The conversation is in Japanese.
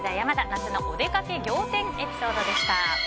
夏のおでかけ仰天エピソードでした。